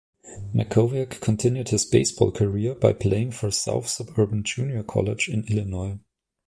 Mackowiak continued his baseball career by playing for South Suburban Junior College in Illinois.